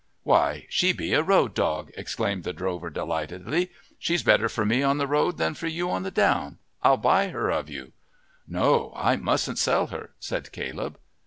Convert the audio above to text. "Why, she be a road dog!" exclaimed the drover delightedly. "She's better for me on the road than for you on the down; I'll buy her of you." "No, I mustn't sell her," said Caleb.